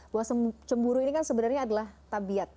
bahwa cemburu ini kan sebenarnya adalah tabiat